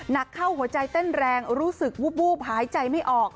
หนักเข้าหัวใจเต้นแรงรู้สึกวูบหายใจไม่ออก